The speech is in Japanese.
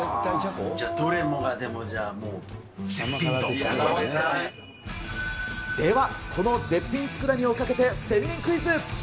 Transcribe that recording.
じゃあ、どれもがでもじゃあ、では、この絶品つくだ煮をかけて仙人クイズ。